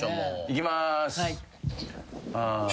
いきまーす。